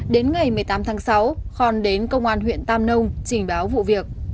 đến ngày một mươi tám tháng sáu khon đến công an huyện tam nông trình báo vụ việc